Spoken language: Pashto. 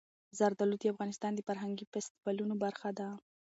زردالو د افغانستان د فرهنګي فستیوالونو برخه ده.